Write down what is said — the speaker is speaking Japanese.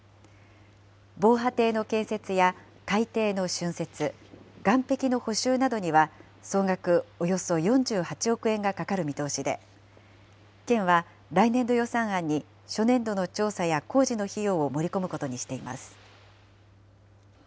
防波堤の建設や海底のしゅんせつ、岸壁の補修などでは、総額およそ４８億円がかかる見通しで、県は来年度予算案に、初年度の調査や工事の費用を盛り込むことにしています。